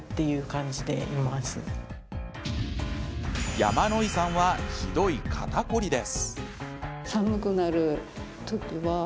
山野井さんは、ひどい肩凝りです。